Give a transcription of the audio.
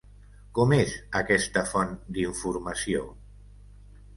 Com és aquesta font d'informació?